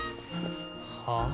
はあ？